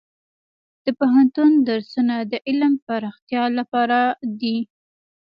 د پوهنتون درسونه د علم پراختیا لپاره دي.